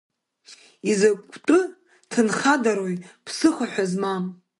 Изакәтәы ҭынхадарои, ԥсыхәа ҳәа змам.